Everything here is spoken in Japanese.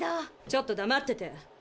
ちょっとだまってて。